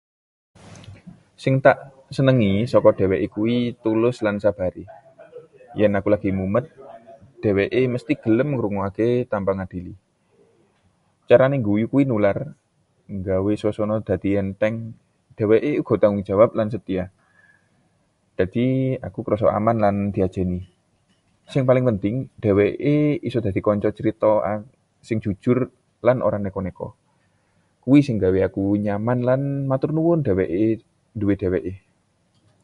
Sing tak senengi saka dheweke kuwi tuluse lan sabare. Yen aku lagi mumet, dheweke mesthi gelem ngrungokké tanpa ngadili. Carane ngguyu kuwi nular, nggawe suasana dadi entheng. Dheweke uga tanggung jawab lan setya, dadi aku krasa aman lan diajeni. Sing paling penting, dheweke iso dadi kanca crita sing jujur lan ora neko-neko. Kuwi sing nggawe aku nyaman lan matur nuwun nduwé dheweke.